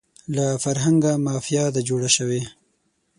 له فرهنګه مافیا ده جوړه شوې